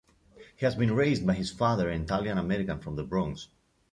He has been raised by his father, an Italian-American from the Bronx.